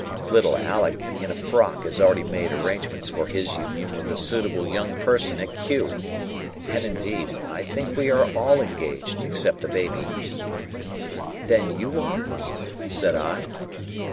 Little Alick in a frock has already made arrangements for his union with a suitable young person at Kew. And indeed, I think we are all engaged, except the baby." "Then you are?" said I.